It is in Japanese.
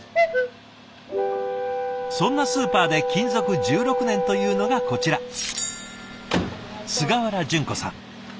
そんなスーパーで勤続１６年というのがこちら菅原順子さん。